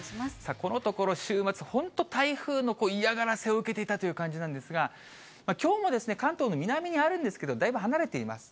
このところ、週末、本当、台風の嫌がらせを受けていたという感じなんですが、きょうも関東の南にあるんですけど、だいぶ離れています。